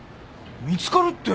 見つかるって。